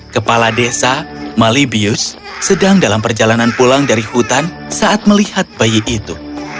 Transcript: kepala desa malibius sedang dalam perjalanan pulang dari hutan saat melihat bayi itu